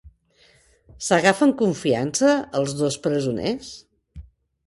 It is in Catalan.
S'agafen confiança els dos presoners?